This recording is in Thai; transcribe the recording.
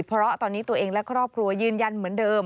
เพราะตอนนี้ตัวเองและครอบครัวยืนยันเหมือนเดิม